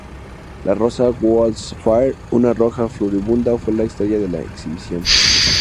La rosa 'World's Fair', una roja floribunda fue la estrella de la exhibición.